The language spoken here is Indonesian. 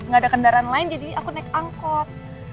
gak ada kendaraan lain jadi aku naik angkot